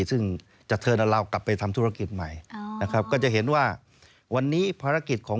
ซึ่งจะเทินเอาเรากลับไปทำธุรกิจใหม่นะครับก็จะเห็นว่าวันนี้ภารกิจของ